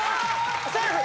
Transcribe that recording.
セーフ！